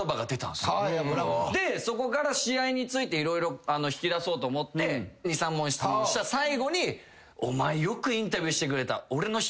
そこから試合について色々引き出そうと思って２３問質問した最後にお前よくインタビューしてくれた。